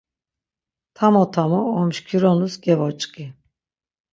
Tamo tamo omşkironus gevoç̌ǩi.